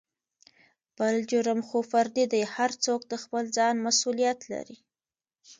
بل جرم خو فردي دى هر څوک دخپل ځان مسولېت لري.